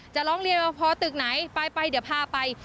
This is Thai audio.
จะร้องเรียนรอปภตึกไหนไปเดี๋ยวพาไป